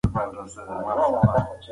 دی په دې حالت کې ځان بیخي یوازې مومي.